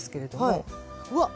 うわっ。